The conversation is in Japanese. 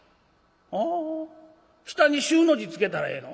「ああ下に『衆』の字つけたらええの？